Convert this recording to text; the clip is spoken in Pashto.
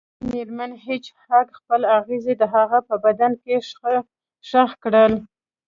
میرمن هیج هاګ خپل اغزي د هغه په بدن کې ښخ کړل